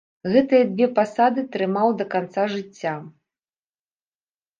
Гэтыя дзве пасады трымаў да канца жыцця.